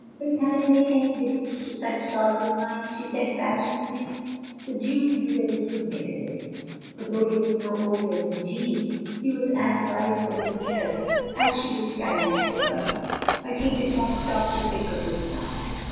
" Will time make any diflFerence to such sorrow as mine?" she said passionately. The Duke knew that it would make a difference ; for though he was no older than Jeaimd, he was as wise for his years as she was childish for hers; but he did not stop to think of this now.